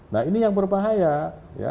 nah ini yang berbahaya